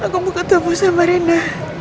aku mau ketemu sama rina